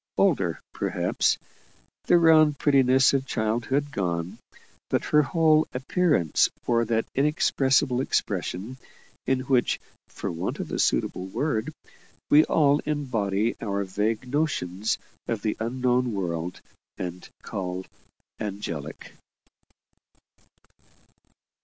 Older, perhaps; the round prettiness of childhood gone but her whole appearance wore that inexpressible expression, in which, for want of a suitable word, we all embody our vague notions of the unknown world, and call "angelic."